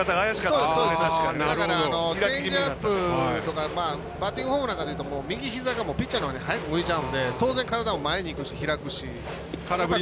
だから、チェンジアップとかバッティングフォームなんかでいうとピッチャーのほうに早く向いちゃうので当然、体も前にいくし開くし。